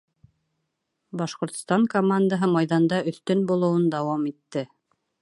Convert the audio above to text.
Башҡортостан командаһы майҙанда өҫтөн булыуын дауам итте